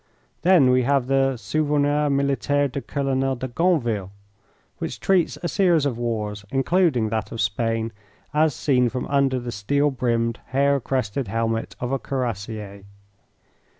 Then we have the "Souvenirs Militaires du Colonel de Gonneville," which treats a series of wars, including that of Spain, as seen from under the steel brimmed hair crested helmet of a Cuirassier.